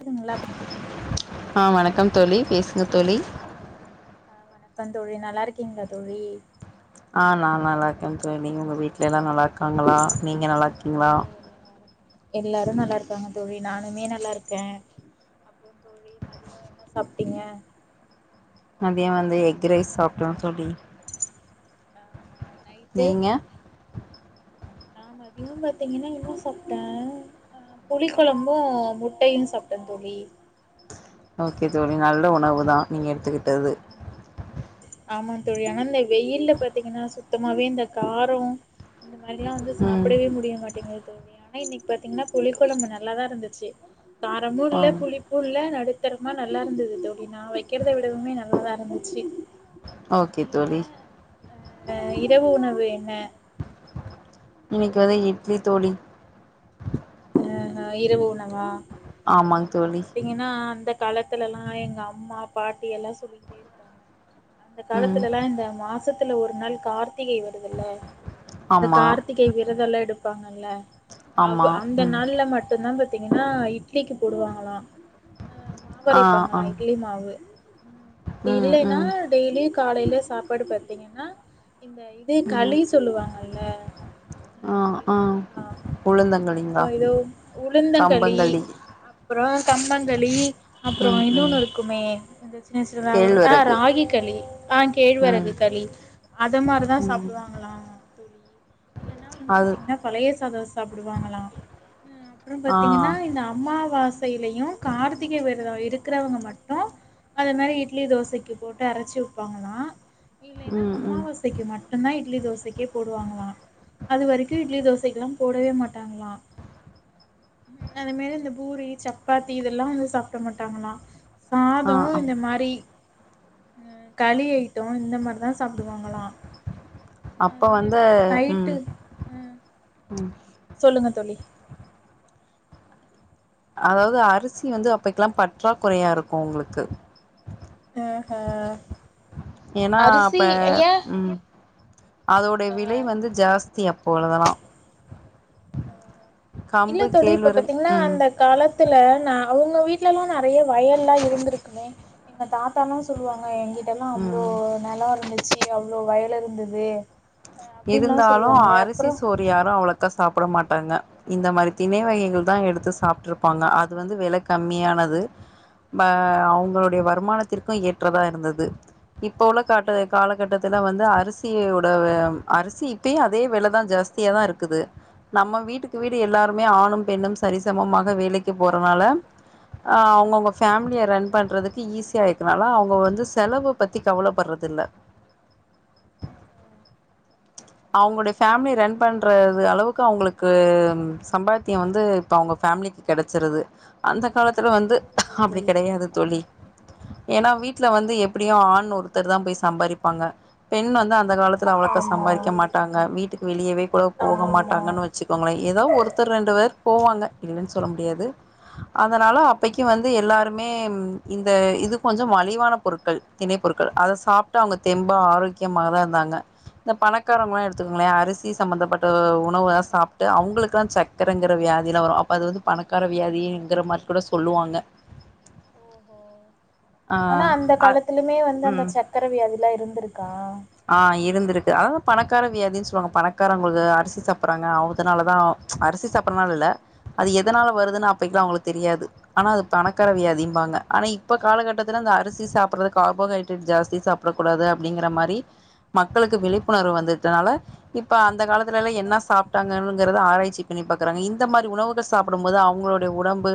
இது நல்லாப்போம் ஆ வணக்கம் தோழி பேசுங்க தோழி வணக்கம் தோழி நல்லா இருக்கீங்களா தோழி ஆ நா நல்லா இருக்கேன் தோழி உங்க வீட்ல எல்லாம் நல்லா இருக்காங்களா நீங்க நல்லா இருக்கீங்களா எல்லாரும் நல்லா இருக்காங்க தோழி நானுமே நல்லா இருக்கேன் தோழி மதியம் என்ன சாப்டீங்க மதியம் வந்து எஃக் ரைஸ் சாப்டோம் தோழி ஆ நைட்டு நீங்க நா மதியும் பாத்தீங்கன்னா என்ன சாப்டேன் புளி கொழம்பும் முட்டையும் சாப்டேன் தோழி ஓகே தோழி நல்ல உணவு தா நீங்க எடுத்துகிட்டது ஆ அ ஆமா தோழி ஆனா இந்த வெயில்ல பாத்தீங்கன்னா சுத்தமாவே இந்த காரோ இந்த மாரிலா வந்து ம் சாப்டவே முடிய மாட்டேங்குது தோழி ஆ னா இன்னைக்கு பாத்தீங்கன்னா புளி கொழம்பு நல்லாதா இருந்துச்சு காரமு இல்ல ஆம் புளிப் பு இல்ல நடுத்தரமா நல்லா இருந்தது தோழி நா வெக்கிறத விடவுமே நல்லாதா இருந்துச்சு ஓக்கே நீங்க தோழி அ இரவு உணவு என்ன இன்னைக்கு வந்து இட்லி தோழி ஆ ஆ இரவு உணவா செரி தோழி இப்ப பாத்தீங் ஏன்னா அந்த காலத்துலலா எங்க அம்மா பாட்டி எல்லா சொல்லிக்கிட்டே இரு அந்த ம் காலத்துலலா இந்த மாசத்துல ஒரு நாள் கார்த்திகை வ ருதுல அந்த ஆமா கார்த்திகை விரதெல்லா எடுப்பாங்கல்ல அவ் ஆமா அந்த ம் நாள்ல மட்டுந்தா பாத்தீங்கன்னா இட்லிக்கு போடுவாங்களா அ மாவு ஆ ஆ அரைப்பாங்களா இட்லி மாவு ம் அப்டி ம் இல்லேன்னா ம் டெய்லியு காலைல சாப்பாடு பாத்தீங்கன்னா இந்த இ து ம் களி சொல்லுவாங்கல்ல அந்த அது பேரு என்ன உளுந்தங்களி அலு உளுந்தங்களி அப் புறோ கம்பங்களி அப்றோ ம் ம் இன்னொன்னு இருக்குமே அந்த என்ன சுறா ஒரு ஆ கேழ்வரகு ராகி களி ஆ ம் கேழ்வரகு களி அத மாரிதா ம் சாப்டுவாங்களா தோழி இல்லேன்னா வந்து அது பாத்தீங்கன்னா பழைய சாதோ சாப் டுவாங்களா ம் அப்றோ ஆ பாத்தீங்கன்னா இந்த அம்மாவாசைலயு கார்த்திகை விரதோ இருக்றவங்க மட்டு அத மாரி இட்லி தோசைக்கு போட்டு அரச்சு வப்பாங்களாம் இல்லேன்னா ம் ம் அம்மாவா சைக்கு மட்டுந்தா இட்லி தோசைக்கே போடுவாங்களா அது வரைக்கு இட்லி தோசைக்கெல்லா போடவே மாட் டாங்களா ம் அதே மாரி இந்த பூரி சப்பாத்தி இதெல்லா வந்து சாப்ட மாட்டாங்களா ஆ சாதோ ஆ இந்த மாரி அ களி ஐட்டோ இந்த மாரி தா சாப்டுவாங்களா அ அப்ப வந்து இல்லன்னா ம் நைட்டு அ ம் சொல்லுங்க தோழி அதாவ்து அரிசி வந்து அப்பக்கெல்லா பற்றாக்குறையா இருக்கூ உங்களுக்கு ஆஹ ஏனா அரிசி அப்ப ஏ ம் அதோடைய விலை வந்து ஜாஸ்தி அப்பொழுதுலா இல்லை கம்பு தோழி இப்ப கேழ்வரகு பாத்தீங்கன்னா ம் அந்த காலத்துல நா அவங்க வீட்லலா நறைய வயல்லா இருந்துருக்குமே எங்க தாத்தால்லா சொல்லுவாங்க எங்கிட்டல்லா அவ்ளோ ம் நெலோ இருந்துச்சு அவ்ளோ வயல் இருந்துது இருந்தாலு அரிசி சோறு யாரு அவ்ளக்கா சாப்ட மாட்டாங்க இந்த மாரி திணை வகைகள் தா எடுத்து சாப்ட்டுருப்பாங்க அது வந்து வில கம்மியானது ம அவங்களுடைய வருமானத்திற்கூ ஏற்றதா இருந்துது இப்போ உள்ள காட்டு காலகட்டத்துல வந்து அரிசியோடவ அம் அரிசி இப்பயே அதே வெலதா ஜாஸ்தியாதா இருக்குது நம்ம வீட்டுக்கு வீடு எல்லாருமே ஆணும் பெண்ணும் சரிசமமாக வேலைக்கு போறனால ஆ அவங்கவுங்க ஃபேமிலிய ரன் பண்றதுக்கு ஈஸியா இருக்குனால அவங்க வந்து செலவ பத்தி கவலைப்பட்றது இல்ல அவங்களுடைய ஃபேமிலி ரன் பண்ற இது அளவுக்கு அவங்களுக்கு ம் சம்பாத்தியோ வந்து இப்ப அவங்க ஃபேமிலிக்கு கெடைச்சிருது அந்த காலத்துல வந்து புரியுது அப்டி புரியுது கெடையாது தோழி ஏனா வீட்டுல வந்து எப்டியோ ஆண் ம். ஒருத்தர் தான் போய் சம்பாறிப்பாங்க பெண் வந்து அந்த காலத் அது அவ்ளக்க ஆமா சம்பாறிக்க மாட்டாங்க வீட்டுக்கு வெளியவே கூட போக ஆமா மாட்டாங்கன்னு வச்சுக் இவங்கள ஏதோ ஒருத்தர் ரெண்டு பேர் போவாங்க இல்லைன்னு சொல்ல முடியாது ம்ஹ்ம். அதனால அப்பைக்கு ம். வந்து எல்லாருமே இந்த இது கொஞ்சோ மலிவான பொருட்கள் திணை பொருட்கள் அத சாப்ட்டு அவுங்க தெம்பா ஆரோக்கியமா தா இருந்தாங்க இந்த பண க்காரங்களலா எடுத்துக்கங்களேன் அரிசி சம்மந்தப்பட்ட உணவுலா சாப்ட்டு அவுங்களுக்குலா சக்கரங்கிற வியாதியிலா வரு அப்போ அது வந்து பணக்கார வியாதிங்கிற மாதிரி கூட சொல்லுவாங்க [inaudible] ஆ ஆனா அந்த அ காலத்திலுமே வந்து ம் அந்த சக்கர வியாதி எல்லா இருந்திருக்கா ஆ இருந்திருக்கு ஆ பணக்கார வியாதின்னு சொல்லுவாங்க பணக்காரங்களுக்கு அரிசி சாப்பிட்றாங்க அதுனால தா அரிசி சாப்பிட்றதுனால இல்ல அது எதனால வருதுன்னு அப்பைக்கெல்லா அவுங்களுக்கு தெரியாது ஆனா அது பணக்கார ம், வியாதிம்பாங்க ஆனா இப்ப காலகட்டத்துல அந்த அரிசி சாப்பிடுற கார்போஹைட்ரேட் ஜாஸ்தி சாப் பிடக் கூடாது அப்டிங்கிற மாரி மக்களுக்கு விழிப்புணர்வு வந்துட்டதுனால இப்ப அந்த காலத்துலலா என்ன சாப்ட்டாங்கங்கறத ஆராய்ச்சி பண்ணி பாக்குறாங்க இந்த மாரி உணவு இத சாப்பிடும் போது அவுங்களுடைய உடம்பு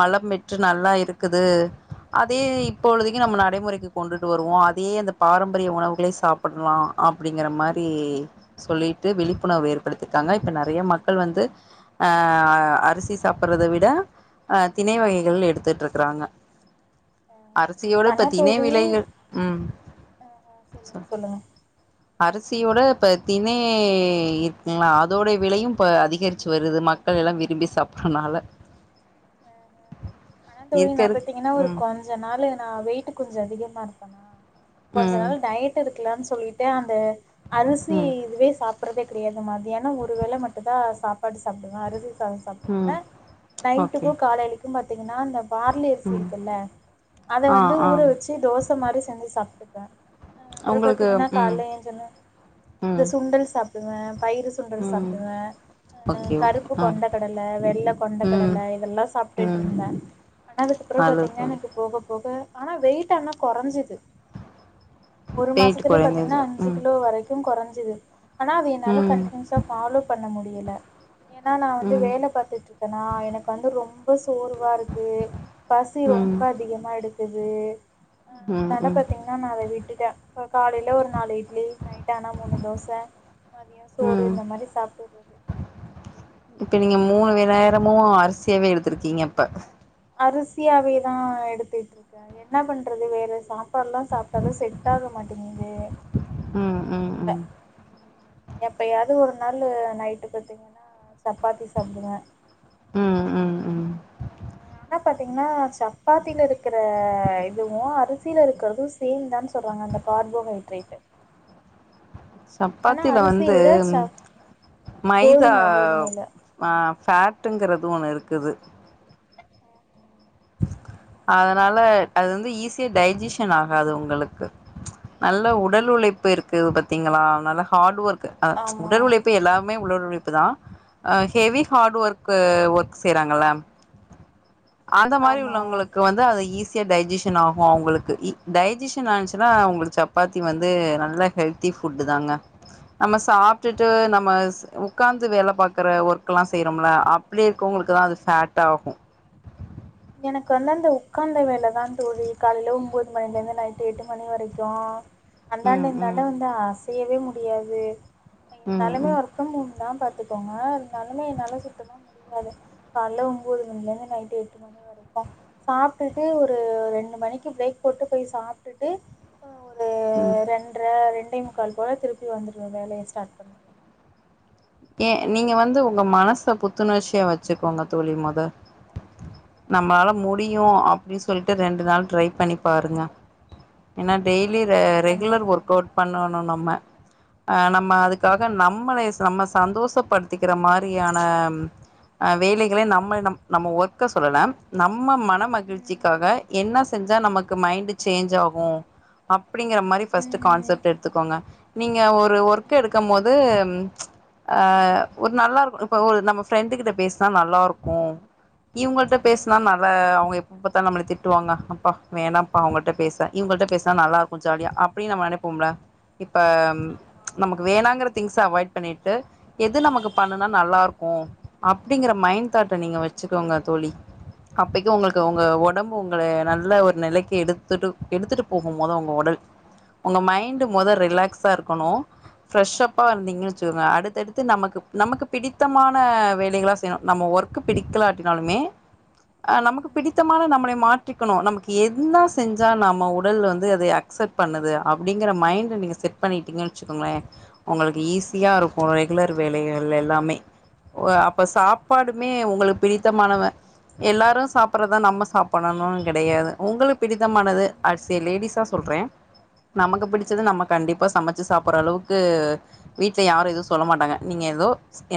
வளம் பெற்று நல்லா இருக்குது அதயே இப்பொழுதைக்கு நம்ம நடைமுறைக்கு கொண்டுட்டு வருவோம் அதயே அந்த பாரம்பரிய உணவுகளை சாப்பிடலாம் அப்டிங்கிற மாரி ம். சொல்லிட்டு விழிப்புணர்வு ஏற்படுத்திருக்காங்க இப்ப நெறையா மக்கள் வந்து ஆ அரிசி சாப்பிடுறதை விட ஆ திணை வகைகள் எடுத்துட்டு இருக்கிறாங்க அரியோட இப்ப ஆனா தினை தோழி விலைகள் ம் ஆ சொல்லுங்க சொல் சொல்லுங்க அரிசியோட இப்ப தினை இருக்குங்களா அதோட விலையு இப்ப அதிகரிச்சு வருது மக் மக்கள் எல்லா விரும்பி சாப்பிடுறனால ஆனா தோழி இருக்க நா இருக் பாத்தீங்கன்னா ஒரு ம் கொ ஞ்ச நாளு நான் வெயிட்டு கொஞ்சோ அதிகமா இருந்தனா கொஞ்ச ம் நாள் டயட் டு இருக்கலனு சொல்லிட்டு அந்த அரிசி ம் இதுவே சாப் சாப்பிடுறதே கெடையாது மதியானோ ஒரு வேளை மட்டும் தா சாப்பாடு சாப்பிடுவே அரிசி சாதம் ம் சாப்பிடுவேன் நை ஓகே ட்டுக்கும் காலைலிக்கு பாத்தீங்கன்னா இந்த பார்லி அரிசி ம் இருக்குல்ல அத ஆ வந்து ஊற ஆ வச்சு தி தோச மாரி செஞ்சு சாப்ட்டுக்குவே அப்பறோ உங்களுக்கு பாத்தீங்கன்னா ம் காலைல எஞ்ச்சோனே இந்த ம் சுண்டல் சாப்டுவே பயிறு சுண்டல் ம் சாப்டுவே அ ஓகே ஓகே கருப்பு ஆ கொண்ட கடல வெள்ள கொண்ட ம் கடல எல்லா சாப்ட்டுட்டு ம் இருந்தே ஆனா அதுக்கப்றோ நல்லது பாத்தீங்கன்னா தோழி எனக்கு போகப் போக ஆனா வெயிட் ஆனா கொறஞ்சுது ஒரு வெயிட் மாசத்துலேயே பாத்தீங்கனா கொறைந்தது அஞ்சு ம் கிலோ வரைக் கு கொறஞ்சுது ஆனா அது என்னால ம் கண்டினியூஸா ஃபாலோ பண்ண முடியல ஏனா நா வந்து ம் வேல பாத்துட்டு இருக்கனா எனக்கு வந்து ரொம் ப சோர்வா இருக்கு பசி ம் ரொம்ப அதிகமா எடுக்குது ஆ ம் அதுனால ம் பாத்தீங் ன்னா நா அத விட்டுட்டே இப்ப காலையில ஒரு நாலு இட்லி நைட்டு ஆனா மூணு தோச மதியோ சோறு ம் இந்த மாரி சாப்டுப்பே இப்ப நீங்க மூணு வே நேரமு அரிசியாவே எடுத்திருக்கீங்க இப்ப அரிசியாவேதா எடுத்துட்டு இருக்க என்ன பண்றது வேற சாப் இப்பெல்லா சாப்ட்டாலு செட் ஆக மாட்டேங்குது ம் ம் அதனால ம் எப்பயாது ஒரு நாள் நைட்டு பாத்தீங்கன்னா சப்பாத்தி சாப்டுவ ம் ம் ம் என்ன பாத்தீங்கன்னா சப்பாத்தில இருக்குற இதுவு அரிசில இருக்குறது சேம் தான் சொல்றாங்க அந்த கார்போஹைட்ரேட் ஆனா சப்பாத்தில அரிசிய வந்து விட சப் மைதா கோதும கோதுமைல ஆ ஃபேக்டுங்கறது ஒன்னு இருக்குது அதனால அது வந்து ஈஸியா டைஜிஷன் ஆகாது உங்களுக்கு நல்ல உடல் உழைப்பு இருக்கு பாத்தீங்களா நல்ல ஹார்ட் ஒர்க் அ ஆமா உடல் உழைப்பு எல்லா மே உழல் உழப்பு தா ஹெவி ஹார்ட் ஒர்க்கு ஒர்க் செய்யறாங்கள அத மாரி ஆமா உள்ளவங்களுக் கு ப்போ வந்து அது ஈஸியா டைஜிஷன் ஆகு அவங்ளுக்கு டைஜிஷன் ம் ஆச்சுன்னா ம் அவங்ளுக்கு சப் பாத்தி வந்து நல்ல ஹெல்த்தி ஃபுட் தாங்க நம்ம சாப்ட்டுட்டு நம்ம உக்காந்து வேல பாக்கற ஒர்க்லா செய்யறோம்ல அப்டி இருக்கறவங்களுக்கு தா ஆ அது ஃபேட் ஆகு எனக்கு வந்து அந்த உக்காந்த வேலதா தோழி காலைல ஒம்பது மணில இருந்து நைட்டு எட்டு மணி வரைக்கு ம் அந்தாண்ட ம் இந்தாண்ட வந்து அசையவே முடியாது ம் இருந்தாலுமே ம் ஒரு ஒர்க் ஃப்ரம் ஹோம் தா பாத்துக்கோங்க இருந்தாலுமே என்னால சுத்தமா து கால்ல ஒம்போது மணிலந்து நைட்டு் எட் எட்டு மணி வரைக்கு சாப்ட்டுட்டு ஒரு ரெண்டு மணிக்கு பிரேக் போட்டு போய் சாப்ட்டுட்டு அப்போ ஒரு ம் ரெண்டர ரெண்டே முக்கால் போல திருப்பி வந்துருவ வேலய ஸ்டார்ட் பண்ணுற ஏ நீங்க வந்து உங்க மனச புத்துணர்ச்சியா வெச்சுக்கோங்க தோழி மொத நம்மாள முடியு அப்டினு சொல்ட்டு ரெண்டு நாள் ட்ரை பண்ணி பாருங்க ஏன்னா டெய்லி ரெகுலர் கண்டிப்பா ஒர்க் அவுட் கண்டிப்பா கண்டிப்பா பண்ண ணு நம்ம நம்ம அதுக்காக நம்மளய நம்ம சந்தோஷப்படுத் திக்கற மாரியான வேலைகள நம்ம நம் நம்ம ஒர்க்க சொல்லல நம்ம மன மகிழ்ச்சிக்காக என்ன செஞ்சா நமக்கு மைண்ட் சேன்ஞ் ஆகு அப்டிங்கற மாரி ஃபர்ஸ்ட் கான்செப்ட் எடுத்துக்கோங்க நீங்க ஒரு ஒர்க் எடுக்கு போது ஆ ஒரு நல்லா இருக்கு இப்ப ஒரு நம்ம ஃப்ரெண்டு கிட்ட பேசுனா நல்லா இருக்கு இவங்கள்ட்ட பேசுனா நல்ல அவங்க எப்ப பத்தா நம்ள திட்டுவாங்க அப்பா வேணா அப்ப அவங்கட்ட பேச இவுங்கள்ட்ட பேசுனா நல்ல இருக்கு ஜாலியா அப்டினு நம்ம நெனப்போம்ல இப்ப நமக்கு வேணாங்குற திங்ஸ்ஸ அவாய்ட் பண்ணிட் எது நமக்கு பண்ணுனா நல்லா இருக்கு அப்டிங்கிற மைண் தாட்ட நீங்க வச்சுக்கோங்க தோழி அப்பேக்கு உங்களுக் உங்க உடம்பு உங்கள நல்ல ஒரு நிலைக்கி எடுத்துட்டு எடுத்துட்டு போகு மொத உங்க உடல் உங்க மைண்ட் மொத ரிலாக்ஸா இருக்கணு ஃப்ரெஷ் அப்ப இருந்தீங்கனு வச் சுகங்க அடுத்தடுத்து நமக்கு நமக்கு பிடித்தமான வேலைகளா செய்யணு நம்ம ஒர்க்கு பிடிக்கலாட்டினாலுமே ஆ நமக்கு பிடித்தமான நம்மளை மாற்றிக்கணு நமக்கு என்ன செஞ்சா நம்ம உடல் வந்து அப்செட் பண்ணது அப்டிங்கிற மைன்ட் நீங்க செட் பண்ணிட்டீங்க வச்சுக்கோங்கள உங்களுக்கு ஈஸி ஈசியா இருக்கு ரெகுலர் வேலைகள் எல்லாமே ஆ அப்ப சாப்பாடுமே உங்களுக்கு பிடித்தமானவ எல்லாரு சாப்ற்தா நம்ம சாப்டணுன் கிடையாது உங்களுக்கு பிடித்தமானது அஸ் ஏ லேடிஸா சொல்ற நமக்கு பிடிச்சது நம்ம கண்டிப்பா சமச்சு சாப்ற்ற அளவுக்கு வீட்ல யாரு எதுவு சொல்ல மாட்டாங்க நீங்க ஏதோ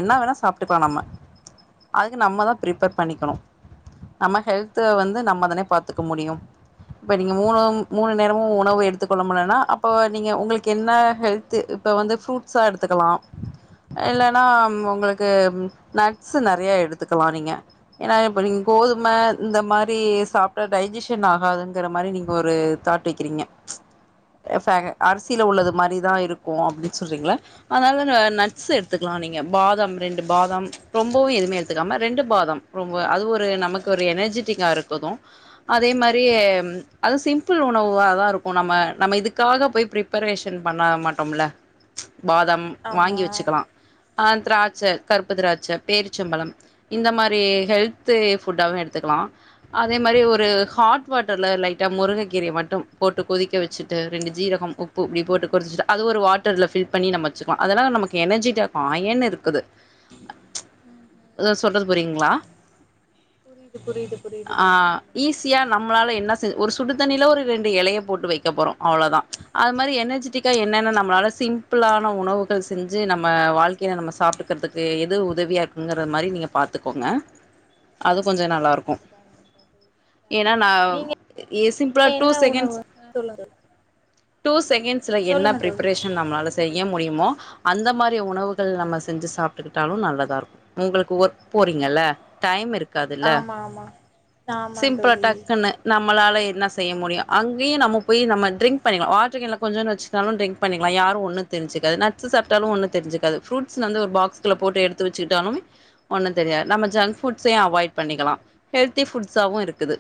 என்ன வேணா சாப்ட்டுக்கலா நம்ம அது நம்ம தா ப்ரிப்பேர் பண்ணிக்கணு நம்ம ஹெல்த் த்த வந்து நம்ம கண்டிப்பா தானே பாத்துக்க முடியும் இப்ப நீங்க மூணு மூணு நேரமும் உணவு எடுத் த்து கொள்ளமுல்லனா அப்ப நீங்க உங்களுக்கு என்ன ஹெல்த்து இப்ப வந்து ஃபுரூட்ஸா எடுத்துக்கலா இல்லனா உங்களுக்கு நட்ஸ்சு நெறைய எடுத்துக்கலா நீங்க ஏனா இப்ப நீங்க கோதுமே இந்த மாரி சாப் ட்டு டைஜிஷன் ஆகாதுங்கிற மாரி நீங்க ஒரு தாட் வைக்கிறீங்க [unintelligible] அரிசில உள்ளது மாரிதா இருக்கு அப்டின்னு சொல்றீங்களா அதுனால நட்ஸ் எடுத்துக்கலா நீங்க பாதாம் ரெண்டு பாதம் ரொம்பவு எதுவுமே எடுத்துக்காமே ரெண்டு பாதம் ரொம்ப அது ஒரு நமக்கு ஒரு எனர்ஜிடிங்க இருக்குது அதே மாரி அது சிம்பிள் உணவுவாதா இருக்கு நம்ம நம்ம இதுக்காக போய் பிரி ப்பரேஷன் பண்ண மாட்டோம்ல பாதாம் வாங்கி ஆமா வச்சுக்கலா அ திராட்சை கருப்பு திராட்சை பேரிச்சம்பழம் இந்த மாரி ஹெல்து ஃபுட்டாவு எடுத்துக்கலா அதே மாரி ஒரு ஹாட் வாட்டருல லைட்டா முருங்கக்கீரைய மட்டு போட்டு கொதிக்க வச்சுட்டு ரெண்டு ஜீரக உப் பு அப்டி போட்டு கொதிச்சுட்டா அது ஒரு வாட்டர்ல ஃபில் பண்ணி நம்ம வச்சுக்கலா அதனால நமக்கு எனர்ஜிட் அயன் இருக்குது ஆ சொல்றது புறீங்களா புரியுது புரியுது புரியுது ஆ தோழி சொல்லுங்க ஈஸ் ஸியா நம்மளால என்ன செய் ஒரு சுடு தண்ணில ஒரு ரெண்டு இலைய போட்டு வைக்க போறோ அவ்ளோதா அது மாரி எனர்ஜிட்டிக்கா என்னென்ன நம்மளால சிம் பிளான உணவுகள் செஞ்சு நம்ம வாழ்க்கையில நம்ம சாப்ட்டுகிறதுக்கு எது உதவியா ங்கிற மாரி நீங்க பாத்துக்கோங்க ஆ அது கொஞ்சோ நல்லாருக்கு கண்டிப்பா கண்டிப்பா ஏன்னா நா நீங்க எ சிம்பிளா டூ என்ன செகண்ட்ஸ் உணவு சொல்லுங்க டூ செகண்ட்ஸ்ல என்ன சொல்லுங்க தோழி பிரிப்பரேஷன் நம்மளால செய்ய முடியுமோ அந்த மாரி உணவுகள் நம்ம செஞ்சு சாப்ட்டுக்கிட்டாலு நல்லதாருக்கு உங்களுக்கு ஒர்க் போறீங்கல்ல டைம் இருக் காதுல ஆமா ஆமா ஆமா சிம்பிளா தோழி டக்குன்னு நம்மளால என்ன செய்ய முடியு அங்கேயு நம்ம போய் நம்ம ட்ரிங்க் பண்ணிக்கலா வாட்ருகேனுல கொஞ்சோன்னு வச்சு சாலு டிரிங்க் பண்ணிக்கலா யாரு ஒன்னு தெரிஞ்சுகாது நட்ஸ் சாப்பிட்டாலு ஒன்னு தெரி்ஞ்சுகாது ஃபுருட்ஸ் வந்து ஒரு பாக்ஸுக்குல போட்டு எடுத்து வச்சுகிட்டாலு ஒன்னு தெரியாது நம்ம ஜங்க் ஃபுட்ஸையு அவாய்ட் பண்ணிக்கலா ஹெல்தி ஃபுட்ஸவு இருக்குது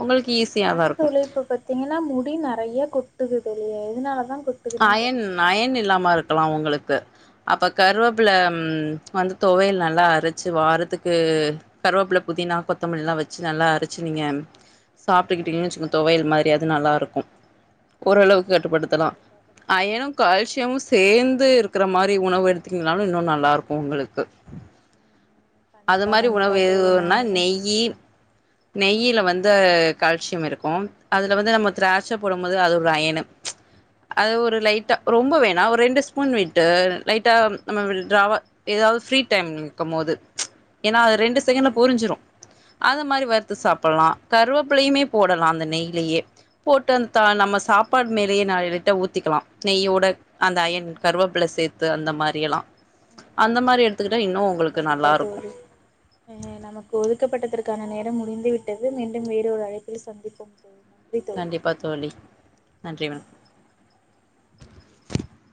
உங்களுக்கு ஈசி ஆனா தோழி இப்ப பாத்தீங்ன்னா முடி நெறைய கொட்டுது தோழி எதுனாலத கொட் அயன் அயன் இல்லாம இருக்கலாம் உங்களுக்கு அப்ப கருவப்புல வந்து தொவயல் நல்லா அரைச்சு வாரத்துக்கு கருவப்பில புதினா கொத்தமல்லி லாம் வச்சு நல்லா அரைச்சு நீங்க சாப்ட்டுக்கிட்டீங்கன்னு வச்சுக்கோங்க தொவையல் மாரி அது நல்லா இருக்கும் ஓரளவுக்கு ஆஹ் கட்டுப்படுத்தலாம் கண்டிப்பா கண்டிப்பா அயனும் கால்சியமும் சேந்து இருக்கு க்குற மாரி உணவு எடுத்தீங்கனாலு இன்னு நல்லா இருக்கு உங்களுக்கு ம் ம் அது கண்டிப்பா மாரி உணவு கண்டிப்பா தோழி எதுன்னா நானுமே நெய்யி நெய்யில வந்து ஆ கால்சியம் இருக்கும் அதுல வந்து நம்ம திராட்ச போடும்போது அது ஒரு அயனு அது ஒரு லைட்டா ரொம்ப வேணாம் ஒரு ரெண்டு ஸ்பூன் விட்டு லைட்டா நம்ம வில் ட்ராவ எதாவது ஃப்ரீ டைம் இருக்கும்போது ஏன்னா அது ரெண்டு செகண்ட்ல பொரிஞ்சிரும் அது மாரி வறுத்து சாப்பிட்லா கருவப்பிள்ளையுமே போடலா அந்த நெய்யிலயே போட்டு அந்தா நம்ம சாப்பாடு மேலேயே நா லைட்டா ஊத்திக்கலா நெய்யோட அந்த அயன் கருவப்பில சேத்து அந்த மாரி எல்லா அந்த மாரி எடுத்துக்கிட்டா இன்னு கண்டிப்பா உங்களுக்கு கண்டிப்பா நல்லாருக்கு தோழி நமக்கு ஒதுக்கப்பட்டதற்கான நேரம் முடிந்து விட்டது மீண்டும் வேறு ஒரு அழைப்பில் சந்திப்போம் ப்ரீதோல் கண்டிப்பா தோழி நன்றி வணக்